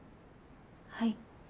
はい。